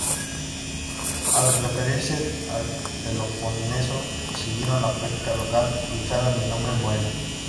Al referirse al Peloponeso, siguieron la práctica local y usaron el nombre "Morea".